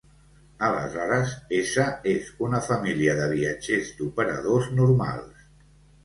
Aleshores "S" és una família de viatgers d'operadors normals.